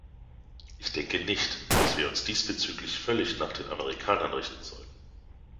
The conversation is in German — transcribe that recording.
Ich denke nicht, dass wir uns diesbezüglich völlig nach den Amerikanern richten sollten.